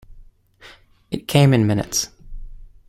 'It came in minutes.